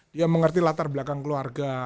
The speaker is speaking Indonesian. dia mengerti latar belakang keluarga